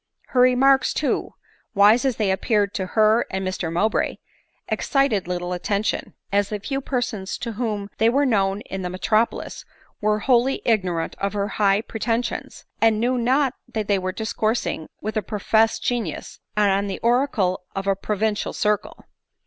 Her remarks, too, wise as they appeared to her and Mr Mowbray, excited little attention — as the few persons to ^ whom they where. know in the metropolis where wholly ignorant of her high pretensions, and knew not that they were discoursing with a professed genius, and the oracle of a provincial circle.